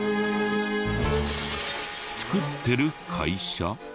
作ってる会社？